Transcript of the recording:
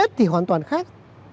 tết thì hoàn toàn khác